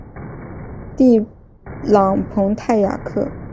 蒂朗蓬泰雅克。